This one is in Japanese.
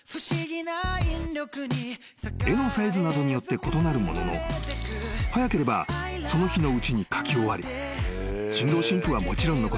［絵のサイズなどによって異なるものの早ければその日のうちに描き終わり新郎新婦はもちろんのこと